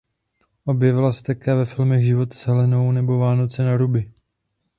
Objevila se také ve filmech "Život s Helenou" nebo "Vánoce naruby".